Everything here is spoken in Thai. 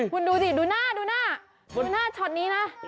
คุณดูดิดูหน้าดูหน้าชอตนี้นะ